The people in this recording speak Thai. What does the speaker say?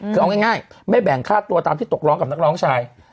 คือเอาง่ายไม่แบ่งค่าตัวตามที่ตกร้องกับนักร้องชาย